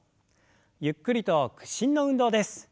ゆっくりと屈伸の運動です。